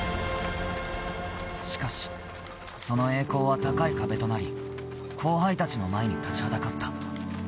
しかしその栄光は高い壁となり後輩たちの前に立ちはだかった。